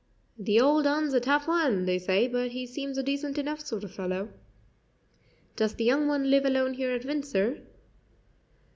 The old un's a tough un, they say, but he seems a decent enough sort of fellow." "Does the young one live alone here at Windsor?"